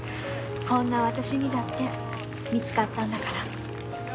こんな私にだって見つかったんだから。